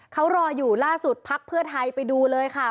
เขารออยู่ล่าสุดพักเพื่อไทยไปดูเลยค่ะ